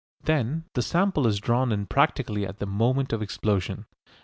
Then the sample is drawn in practically at the moment of explosion.